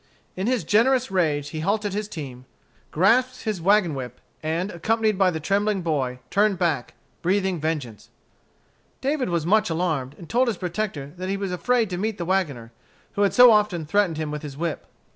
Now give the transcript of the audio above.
In his generous rage he halted his team, grasped his wagon whip, and, accompanied by the trembling boy, turned back, breathing vengeance. David was much alarmed, and told his protector that he was afraid to meet the wagoner, who had so often threatened him with his whip.